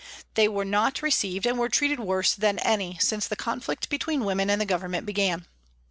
They were not received and were treated worse than any since the conflict between women and the Government began.